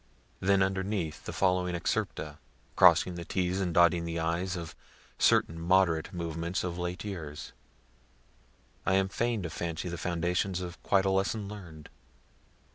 Then underneath the following excerpta crossing the t's and dotting the i's of certain moderate movements of late years I am fain to fancy the foundations of quite a lesson learn'd.